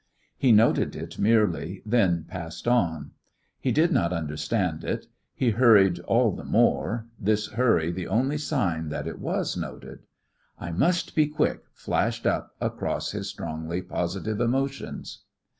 He noted it merely, then passed on; he did not understand it; he hurried all the more, this hurry the only sign that it was noted. "I must be quick," flashed up across his strongly positive emotions.